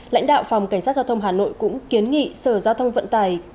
lãnh đạo phòng cảnh sát giao thông hà nội cũng kiến nghị sở giao thông vận tải